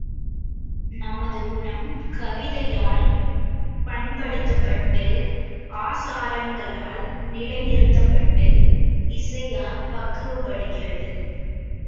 நமது குணம், கவிதையால் பண்படுத்தப்பட்டு, ஆசாரங்களால் நிலை நிறுத்தப்பட்டு, இசையால் பக்குவப்படுகிறது.